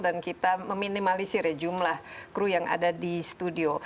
dan kita meminimalisir jumlah kru yang ada di studio